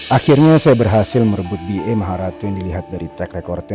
akhirnya saya berhasil merebut ba maharatu yang dilihat dari track record